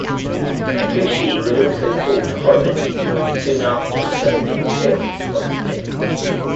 Hakushi would also fall to Horowitz soon after because of interference from Skip.